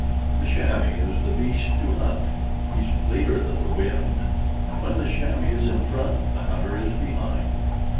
The chamois is the beast to hunt; He's fleeter than the wind, And when the chamois is in front, The hunter is behind.